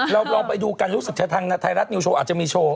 เราไปดูการรู้สัตว์ชะทังไทยรัฐนิวโชว์อาจจะมีโชว์